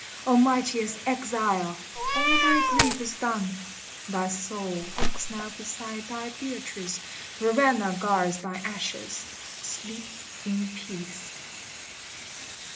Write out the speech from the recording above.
O mightiest exile ! all thy grief is done : Thy soul walks now beside thy Beatrice ; Ravenna guards thine ashes : sleep in peace.